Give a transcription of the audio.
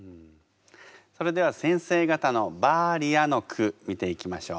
それでは先生方の「バーリア」の句見ていきましょう。